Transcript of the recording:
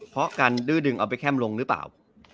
เพราะการดื้อดึงเอาไปแคมลงหรือเปล่า